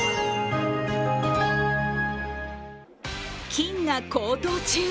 金が高騰中。